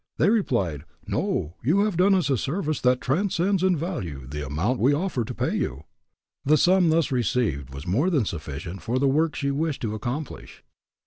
They replied, "No; you have done us a service that transcends in value the amount we offer to pay you." The sum thus received was more than sufficient for the work she wished to accomplish.